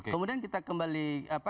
kemudian kita kembali